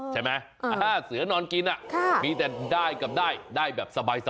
ใช่ไหมเสือนอนกินมีแต่ได้กับได้ได้แบบสบาย